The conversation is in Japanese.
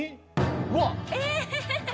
うわっ！え！